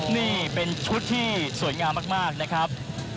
นี่เป็นชุดที่สวยงามมากนะครับ